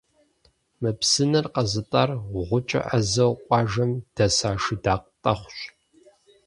Мы псынэр къэзытӏар гъукӏэ ӏэзэу къуажэм дэса Шыдакъ Тӏэхъущ.